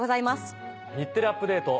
『日テレアップＤａｔｅ！』